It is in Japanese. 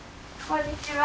こんにちは。